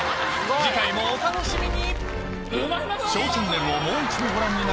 次回もお楽しみに！